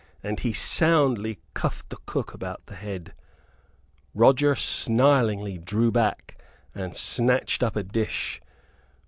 And he soundly cuffed the cook about the head. Roger snarlingly drew back and snatched up a dish.